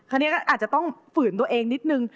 อันนี้ก็อาจจะต้องฝืนตัวเองนิดนึง